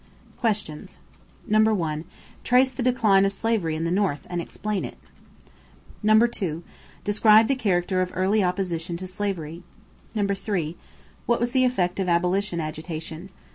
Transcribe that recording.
=Questions= 1. Trace the decline of slavery in the North and explain it. 2. Describe the character of early opposition to slavery. 3. What was the effect of abolition agitation?